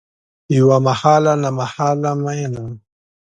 یوه محاله نامحاله میینه